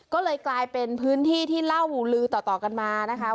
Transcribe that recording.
ก็เลยกลายเป็นพื้นที่ที่เล่าลือต่อกันมานะคะ